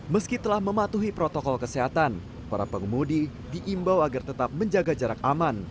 meski telah mematuhi protokol kesehatan para pengemudi diimbau agar tetap menjaga jarak aman